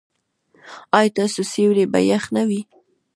ایا ستاسو سیوري به يخ نه وي؟